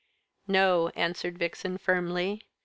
"No," answered Vixen firmly.